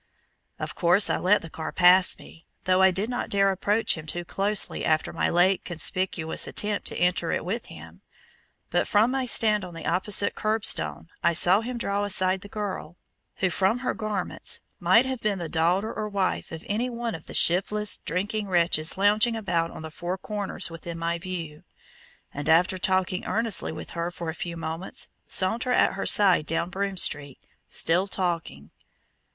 Of course I let the car pass me, though I did not dare approach him too closely after my late conspicuous attempt to enter it with him. But from my stand on the opposite curb stone I saw him draw aside the girl, who from her garments might have been the daughter or wife of any one of the shiftless, drinking wretches lounging about on the four corners within my view, and after talking earnestly with her for a few moments, saunter at her side down Broome Street, still talking.